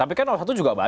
tapi kan satu juga banyak